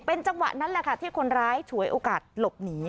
จังหวะนั้นแหละค่ะที่คนร้ายฉวยโอกาสหลบหนี